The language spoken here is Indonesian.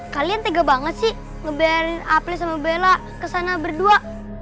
kalian tega banget sih ngebayarin aplis sama bella kesana berdua